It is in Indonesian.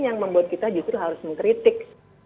yang membuat kita justru harus mengkritik